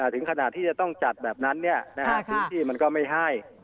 ถึงขนาดที่จะต้องจัดแบบนั้นพื้นที่มันก็ไม่ให้